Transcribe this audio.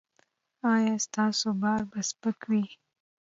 ایا ستاسو بار به سپک وي؟